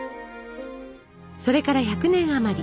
それから１００年あまり。